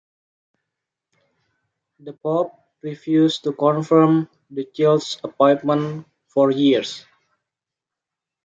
The Pope refused to confirm the child's appointment for years.